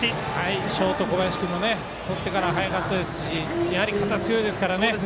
ショート小林君もとってから早かったですしやはり肩、強いですからね。